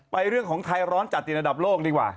เรื่องของไทยร้อนจัดติดอันดับโลกดีกว่า